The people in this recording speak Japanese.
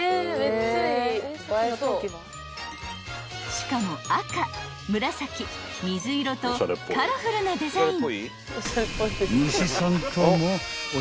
［しかも赤紫水色とカラフルなデザイン］